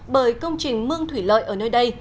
bởi công trình mương thủy lợi ở nơi đây